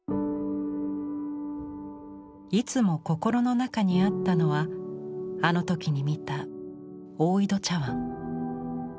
いつも心の中にあったのはあの時に見た大井戸茶碗。